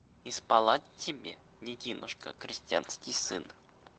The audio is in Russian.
Исполать тебе, детинушка крестьянский сын